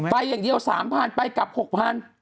ไปอย่างเดียว๓๐๐ไปกลับ๖๐๐บาท